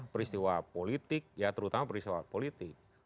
peristiwa politik ya terutama peristiwa politik